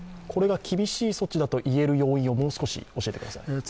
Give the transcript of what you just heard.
これが厳しい措置だと言える要因をもう少し教えてください。